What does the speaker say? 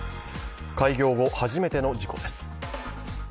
開業後初めての事故です。